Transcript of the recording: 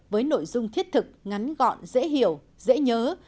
với nội dung thiết thực ngắn gọn dễ hiểu dễ nhớ